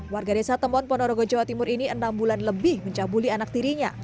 warga desa tembon ponorogo jawa timur ini enam bulan lebih mencabuli anak tirinya